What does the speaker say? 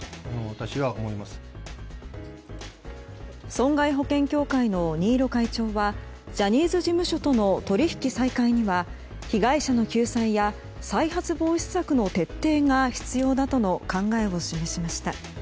損害保険協会の新納会長はジャニーズ事務所との取引再開には被害者の救済や再発防止策の徹底が必要だとの考えを示しました。